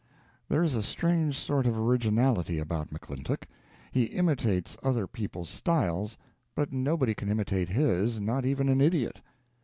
There is a strange sort of originality about McClintock; he imitates other people's styles, but nobody can imitate his, not even an idiot.